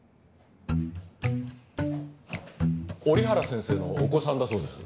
折原先生のお子さんだそうです。